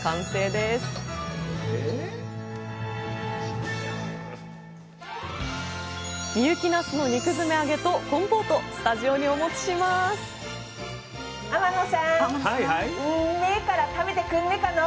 なすの肉詰め揚げとコンポートスタジオにお持ちしますうん。